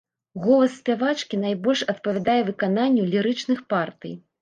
Голас спявачкі найбольш адпавядае выкананню лірычных партый.